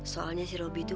soalnya si robby tuh